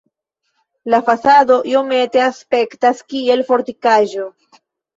La fasado iomete aspektas kiel fortikaĵo.